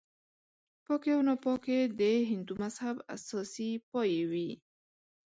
پاکي او ناپاکي د هندو مذهب اساسي پایې وې.